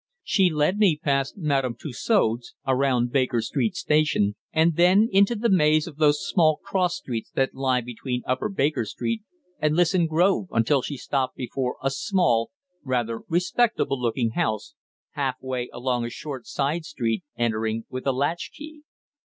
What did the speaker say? She led me past Madame Tussaud's, around Baker Street Station, and then into the maze of those small cross streets that lie between Upper Baker Street and Lisson Grove until she stopped before a small, rather respectable looking house, half way along a short side street, entering with a latch key.